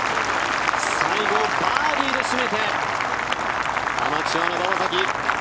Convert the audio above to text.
最後、バーディーで締めてアマチュアの馬場咲希